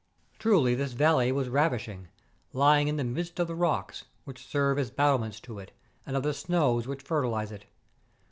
Truly this valley was ravishing, lying in the midst of the rocks, which serve as battlements to it, and of the snows which fertilize it.